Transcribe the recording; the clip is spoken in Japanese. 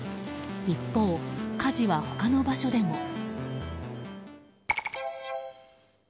一方、火事は他の場所でも。